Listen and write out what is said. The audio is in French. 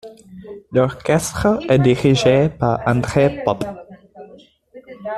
L'orchestre est dirigé par André Popp.